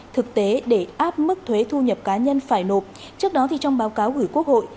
thực tế để áp mức thuế thu nhập cá nhân phải nộp trước đó thì trong báo cáo gửi quốc hội